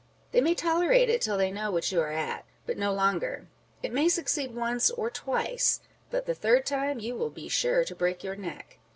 They may tolerate it till they know what you are at, but no longer. It may succeed once or twice, but the third time you will be sure to break your neck.